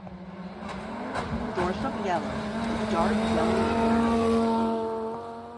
Dorsum yellow to dark yellowish brown.